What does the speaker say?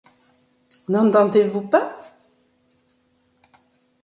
N’entendez-vous pas ?